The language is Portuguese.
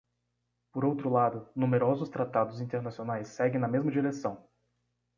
Por outro lado, numerosos tratados internacionais seguem na mesma direção.